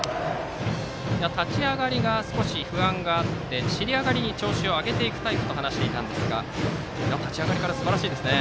立ち上がりが少し不安があって尻上がりに調子を上げていくタイプだと話していましたが立ち上がりからすばらしいですね。